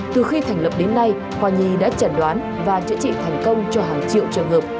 từ khi thành lập đến nay khoa nhi đã chẩn đoán và chữa trị thành công cho hàng triệu trường hợp